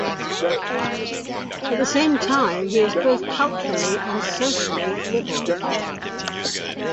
At the same time he is both culturally and socially liberal.